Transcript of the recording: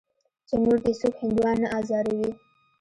چې نور دې څوک هندوان نه ازاروي.